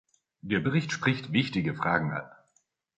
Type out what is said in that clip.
Der Bericht spricht wichtige Fragen an.